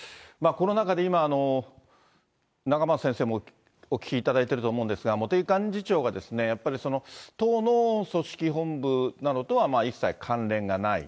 この中で今、仲正先生もお聞きいただいてると思うんですが、茂木幹事長がやっぱり、党の組織本部などとは一切関連がない。